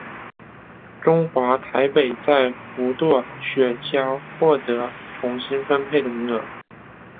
中华台北在无舵雪橇获得重新分配的名额。